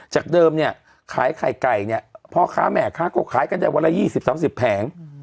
จากเดิมเนี่ยขายไข่ไก่เนี่ยพ่อค้าแม่ค้าก็ขายกันได้วันละ๒๐๓๐แผง